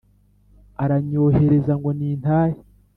Aranyohereza ngo nintahe